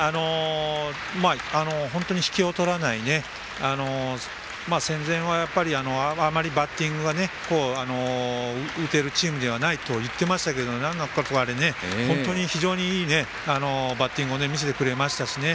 本当に引けを取らない戦前はあまりバッティングが打てるチームではないと言っていましたけど非常に、いいバッティングを見せてくれましたしね。